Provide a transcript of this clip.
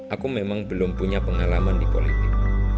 aku memang belum punya pengalaman di politik